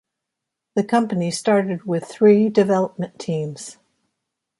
The company started with three development teams.